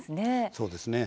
そうですね。